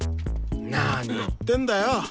なに言ってんだよ！